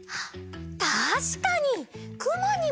たしかに！